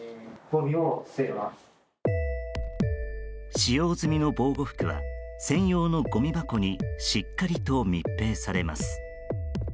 使用済みの防護服は専用のごみ箱にしっかりと密閉されます。